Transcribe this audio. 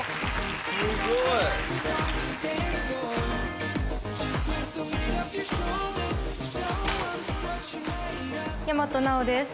すごい大和奈央です